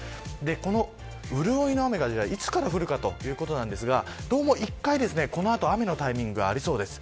この潤いの雨がいつから降るのかということですがどうも、１回この後雨のタイミングがありそうです。